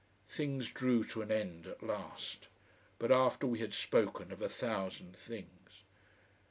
Things drew to an end at last, but after we had spoken of a thousand things.